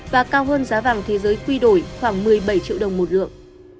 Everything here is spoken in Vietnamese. và cao hơn giá vàng thế giới quy đổi khoảng một mươi bảy triệu đồng một lượng